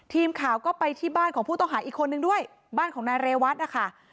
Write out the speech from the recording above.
ทีมข่าวก็ไปที่บ้านของผู้ต้องหาอีกคนนึงด้วยบ้านของนายเรวัตนะคะ